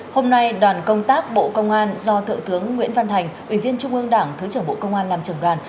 hôm nay đoàn công tác bộ công an do thượng tướng nguyễn văn thành ủy viên trung ương đảng thứ trưởng bộ công an làm trưởng đoàn